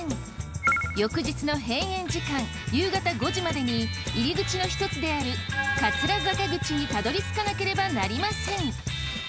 翌日の閉園時間夕方５時までに入り口の一つである桂坂口にたどり着かなければなりません。